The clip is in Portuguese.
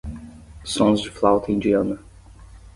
Sons de flauta indiana